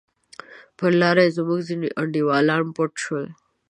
پر لار زموږ ځیني انډیوالان پټ شول.